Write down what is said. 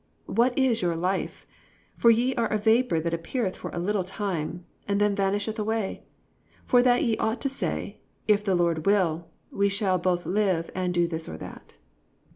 What is your life? For ye are a vapour that appeareth for a little time, and then vanisheth away. (15) For that ye ought to say, if the Lord will, we shall both live, and do this or that."